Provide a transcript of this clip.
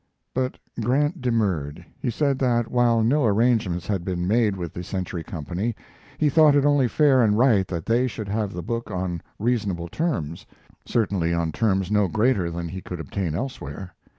But Grant demurred. He said that, while no arrangements had been made with the Century Company, he thought it only fair and right that they should have the book on reasonable terms; certainly on terms no greater than he could obtain elsewhere.